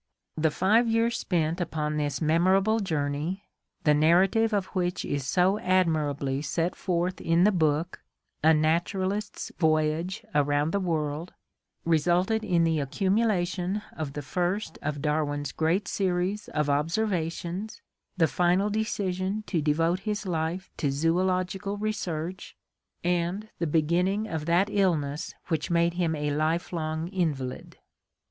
The five years spent upon this memorable journey, the narrative of which is so admirably set forth in the book A Naturalist's Voyage around the World, resulted in the accumulation of the first of Dar win's great series of observations, the final decision to devote his life to zoological research, and the beginning of that illness which made him a life long invalid.